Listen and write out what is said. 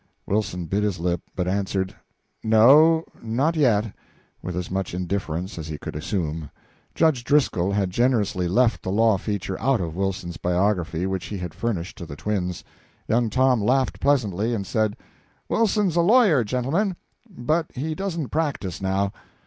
Wilson bit his lip, but answered, "No not yet," with as much indifference as he could assume. Judge Driscoll had generously left the law feature out of the Wilson biography which he had furnished to the twins. Young Tom laughed pleasantly, and said: "Wilson's a lawyer, gentlemen, but he doesn't practise now."